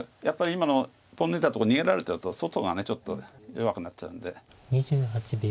やっぱり今のポン抜いたとこ逃げられちゃうと外がちょっと弱くなっちゃうんで。